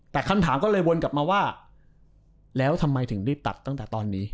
แต่คำถามก็เลยวนกลับมาว่าแล้วทำไมถึงรีบตัดตั้งแต่ตอนนี้